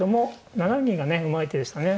７四銀がねうまい手でしたね